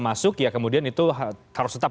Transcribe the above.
masuk ya kemudian itu harus tetap